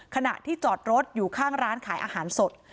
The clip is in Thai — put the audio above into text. ขณะที่จอดรถอยู่ข้างร้านขายอาหารสด